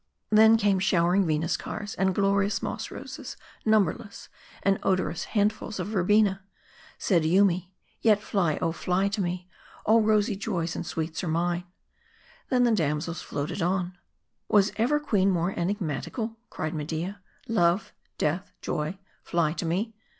Then came showering Venus cars, and glorious moss roses numberless, and odorous handful s of Verbena. Said Yoomy " Yet fly, oh fly to me : all rosy joys and sweets are mine." 310 MARDI. Then the damsels floated on. " Was ever queen more enigmatical ?" cried Media "Love, death, joy, fly, to me?